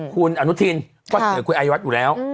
คุณอนุทินก็เหนื่อยคุยอัยวัฒน์อยู่แล้ว